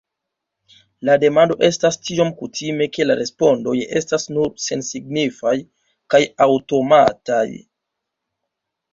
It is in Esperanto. La demando estas tiom kutime, ke la respondoj estas nur sensignifaj kaj aŭtomataj.